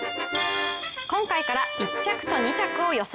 今回から１着と２着を予想。